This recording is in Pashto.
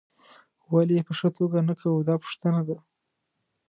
ولې یې په ښه توګه نه کوو دا پوښتنه ده.